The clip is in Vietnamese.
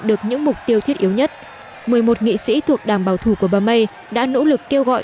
được những mục tiêu thiết yếu nhất một mươi một nghị sĩ thuộc đảng bảo thủ của bà may đã nỗ lực kêu gọi